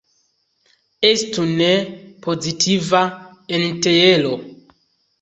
Estu "n" pozitiva entjero.